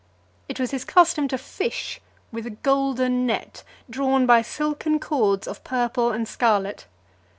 It was his custom to fish with a golden net, drawn by silken cords of purple and scarlet.